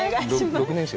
６年生。